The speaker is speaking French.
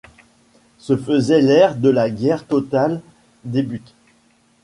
Ce faisant l'ère de la guerre totale débute.